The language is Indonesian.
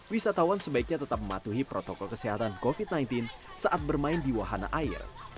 wisatawan sebaiknya tetap mematuhi protokol kesehatan covid sembilan belas saat bermain di wahana air